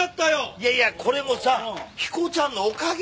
いやいやこれもさ彦ちゃんのおかげだよ。